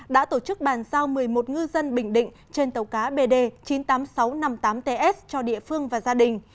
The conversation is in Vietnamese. đã tổ chức bàn giao một mươi một ngư dân bình định trên tàu cá bd chín mươi tám nghìn sáu trăm năm mươi tám ts cho địa phương và gia đình